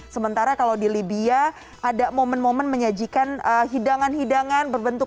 sementara kalau di libya ada momen momen menyajikan hidangan hidangan berbentuk